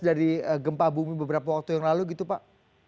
dari gempa bumi beberapa waktu yang lalu gitu pak